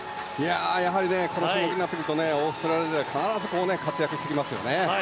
やはりこの種目になってくるとオーストラリア勢必ず活躍してきますよね。